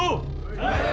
はい！